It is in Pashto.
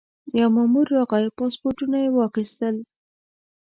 یو مامور راغی پاسپورټونه یې واخیستل.